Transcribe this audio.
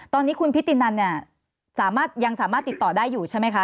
ตอนนี้คุณพิธีนันยังสามารถติดต่อได้อยู่ใช่ไหมคะ